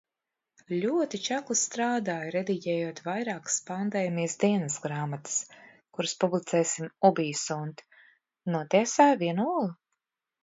Ļoti čakli strādāju, rediģējot vairākas pandēmijas dienasgrāmatas, kuras publicēsim Ubi Sunt. Notiesāju vienu olu.